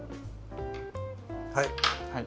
はい。